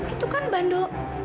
itu kan bando